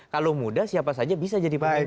kalau muda siapa saja bisa jadi pemimpin